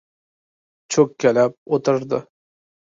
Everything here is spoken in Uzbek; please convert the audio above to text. Cho‘kkalab o‘tirdi.